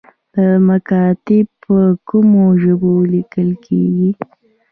مکاتیب په کومو ژبو لیکل کیږي؟